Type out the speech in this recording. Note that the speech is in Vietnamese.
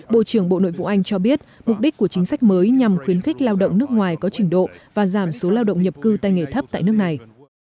bộ trưởng bộ nội vụ anh cho biết mục đích của chính sách mới nhằm khuyến khích lao động nước ngoài có trình độ và giảm số lao động nhập cư tay nghề thấp tại nước này